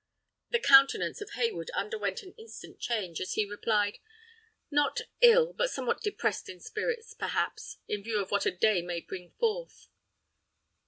The countenance of Hayward underwent an instant change, as he replied: "Not ill, but somewhat depressed in spirits, perhaps, in view of what a day may bring forth."